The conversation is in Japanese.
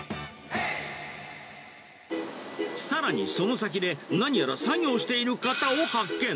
さらにその先で、何やら作業している方を発見。